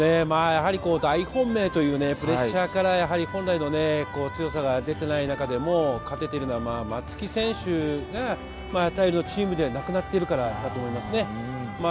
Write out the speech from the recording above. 大本命というプレッシャーから本来の強さが出ていない中でも勝てているのは、松木選手が頼りのチームではなくなっているからです。